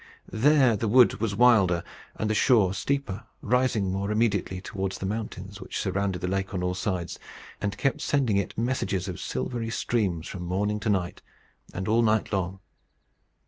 There the wood was wilder, and the shore steeper rising more immediately towards the mountains which surrounded the lake on all sides, and kept sending it messages of silvery streams from morning to night, and all night long.